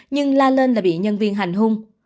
nhưng la lên là bị nhân viên hành hung